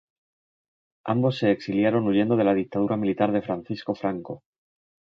Ambos se exiliaron huyendo de la dictadura militar de Francisco Franco.